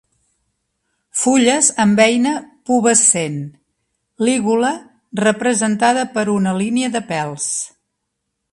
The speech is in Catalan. Fulles amb beina pubescent; lígula representada per una línia de pèls.